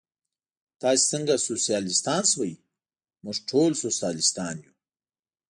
تاسې څنګه سوسیالیستان شوئ؟ موږ ټول سوسیالیستان یو.